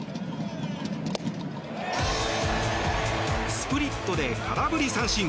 スプリットで空振り三振。